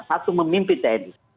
satu memimpin tni